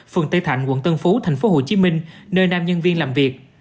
phường tây thạnh quận tân phú tp hcm nơi nam nhân viên làm việc